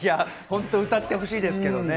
本当に歌ってほしいですけどね。